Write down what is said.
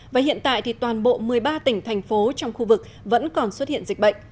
và hiện tại thì toàn bộ một mươi ba tỉnh thành phố trong khu vực vẫn còn xuất hiện dịch bệnh